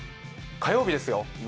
火曜日ですよ。